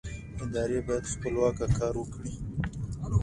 ادارې باید خپلواکه کار وکړي